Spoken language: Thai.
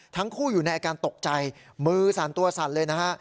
อยู่ในอาการตกใจมือสั่นตัวสั่นเลยนะฮะ